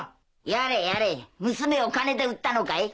やれやれ娘を金で売ったのかい。